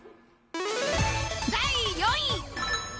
第４位。